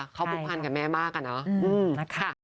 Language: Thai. เขาผูกพันกับแม่มากอะเนาะ